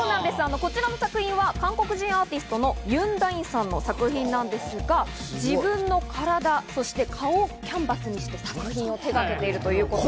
こちらの作品は、韓国人アーティストのユン・ダインさんの作品ですが、自分の体、そして顔をキャンパスにして作品を手がけているということで。